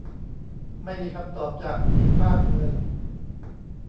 ไม่มีคำตอบจากอีกฟากหนึ่ง